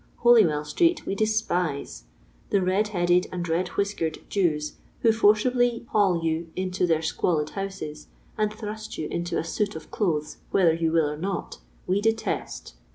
Holy well street we despise ; the red headed and red whiskered Jews who forcibly haul you into their squalid houses, and thrust you into a suit of clothes whether you will or not, we detest.